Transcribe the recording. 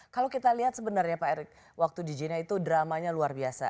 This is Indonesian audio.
kalau kita lihat sebenarnya pak erick waktu di jina itu dramanya luar biasa